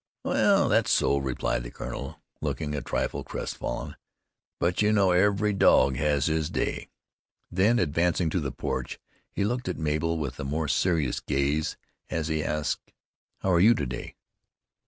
"Well, that's so," replied the colonel, looking a trifle crest fallen; "but you know every dog has his day." Then advancing to the porch, he looked at Mabel with a more serious gaze as he asked, "How are you to day?"